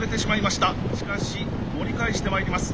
しかし盛り返してまいります。